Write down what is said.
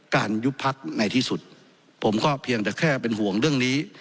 ยุบพักในที่สุดผมก็เพียงแต่แค่เป็นห่วงเรื่องนี้